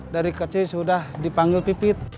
dari kecil sudah dipanggil pipit